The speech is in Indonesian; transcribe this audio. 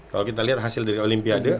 kalau kita lihat hasil dari olimpiade